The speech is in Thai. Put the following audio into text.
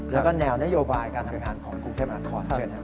และแนวนโยบายการทำงานของกรุงเทพมหลังคอดเช่น